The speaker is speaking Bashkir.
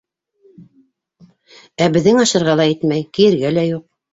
Ә беҙҙең ашарға ла етмәй, кейергә лә юҡ.